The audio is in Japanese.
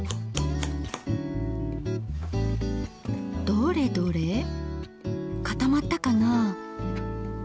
どれどれ固まったかな？